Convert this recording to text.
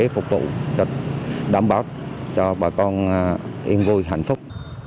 phục tụ đảm bảo cho bà con yên vui hạnh phúc